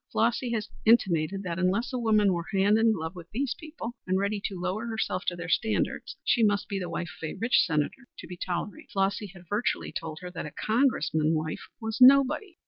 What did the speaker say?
Flossy had intimated that unless a woman were hand in glove with these people and ready to lower herself to their standards, she must be the wife of a rich Senator to be tolerated. Flossy had virtually told her that a Congressman's wife was nobody.